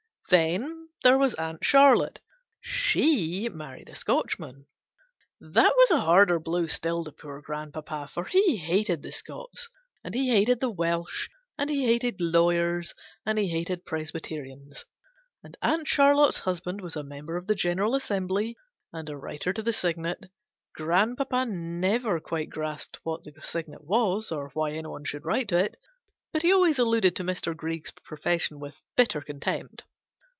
Then there was Aunt Charlotte : she married a Scotchman. That was a harder blow still to poor grandpapa ; for he hated the Scotch, and GENERAL PASSAVANT'S WILL. 317 he hated the Welsh, and he hated lawyers, and he hated Presbyterians ; and Aunt Charlotte's husband was a member of the General Assembly, and a Writer to the Signet. Grand papa never quite grasped what the Signet was, or why any one should write to it, but he always alluded to Mr. Greig's profession with bitter contempt.